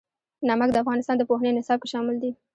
نمک د افغانستان د پوهنې نصاب کې شامل دي.